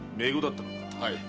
はい。